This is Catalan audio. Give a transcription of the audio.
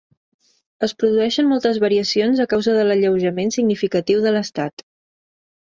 Es produeixen moltes variacions a causa de l'alleujament significatiu de l'estat.